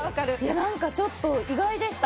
何かちょっと意外でした。